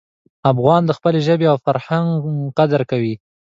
افغان د خپلې ژبې او فرهنګ قدر کوي.